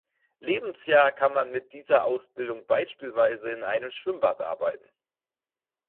Lebensjahr kann man mit dieser Ausbildung beispielsweise in einem Schwimmbad arbeiten.